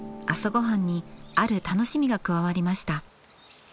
朝ごはんにある楽しみが加わりました。